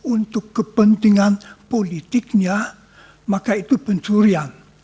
untuk kepentingan politiknya maka itu pencurian